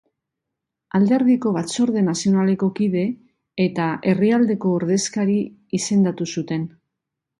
Alderdiko Batzorde Nazionaleko kide eta herrialdeko ordezkari izendatu zuten.